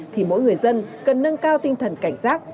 thì mỗi người dân cần nâng cao tinh thần cảnh giác